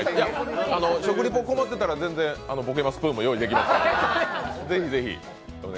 食リポ困ってたらボケますプーンも用意できますので。